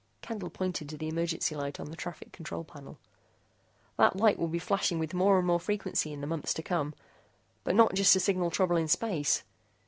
Candle pointed to the emergency light on the traffic control panel. "That light will be flashing with more and more frequency in the months to come. But not just to signal trouble in space.